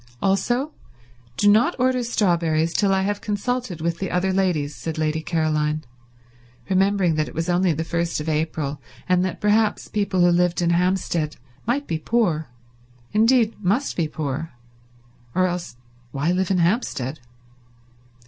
"Also do not order strawberries till I have consulted with the other ladies," said Lady Caroline, remembering that it was only the first of April, and that perhaps people who lived in Hampstead might be poor; indeed, must be poor, or why live in Hampstead?